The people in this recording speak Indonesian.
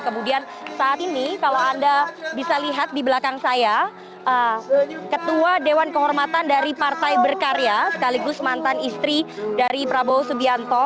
kemudian saat ini kalau anda bisa lihat di belakang saya ketua dewan kehormatan dari partai berkarya sekaligus mantan istri dari prabowo subianto